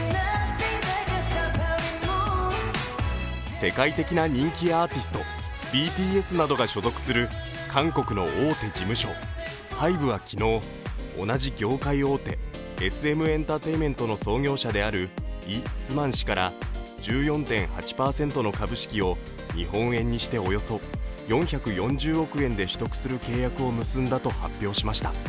世界的な人気アーティストＢＴＳなどが所属する韓国の大手事務所・ＨＹＢＥは昨日、同じ業界大手、ＳＭエンタテインメントの創業者である、イ・スマン氏から１４．８％の株式を日本円にしておよそ４４０円で取得する契約をしたと発表しました。